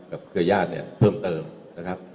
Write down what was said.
กับเครื่องย่าดเนี่ยเพิ่มเติมนะครับ